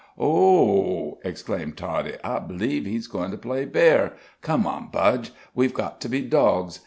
"Oh h," exclaimed Toddie, "I b'lieve he' goin' to play bear! Come on, Budge, we's got to be dogs."